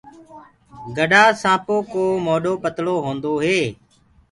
گَڊآ سآنپو ڪو موڏو پتݪو هوندو هي۔